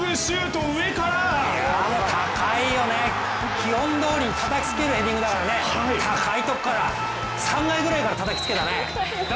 高いよね、基本通りたたきつけるヘディングだから高いところから、３階ぐらいからたたきつけたね。